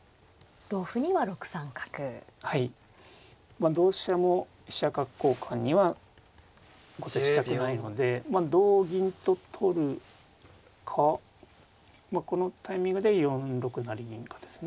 まあ同飛車も飛車角交換には後手したくないので同銀と取るかこのタイミングで４六成銀かですね。